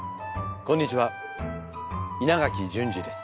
こんにちは稲垣淳二です。